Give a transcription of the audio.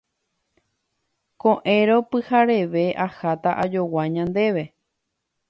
Ko'ẽrõ pyhareve aháta ajogua ñandéve.